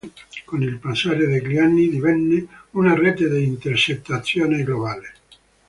Con il passare degli anni, divenne una rete di intercettazione globale.